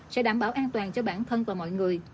sẽ đảm bảo an toàn cho bản thân và mọi người